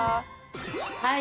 はい。